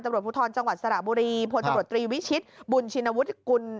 ตำรวจภูทรจังหวัดสระบุรีพลตำรวจตรีวิชิตบุญชินวุฒิกุล